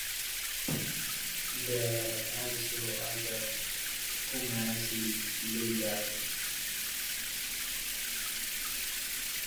There are also other Coomassie "blue" dyes.